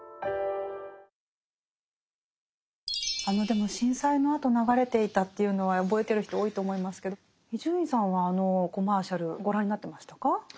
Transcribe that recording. あのでも震災のあと流れていたというのは覚えてる人多いと思いますけど伊集院さんはあのコマーシャルご覧になってましたか？